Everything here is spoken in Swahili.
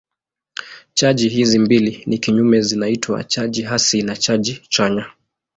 Chaji hizi mbili ni kinyume zinaitwa chaji hasi na chaji chanya.